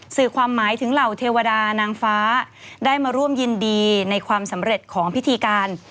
สื่อความหมายถึงเหล่าเทวดานางฟ้าได้มาร่วมยินดีในความสำเร็จของพิธีการ